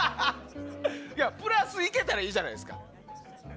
プラスでいけたらいいじゃないですか。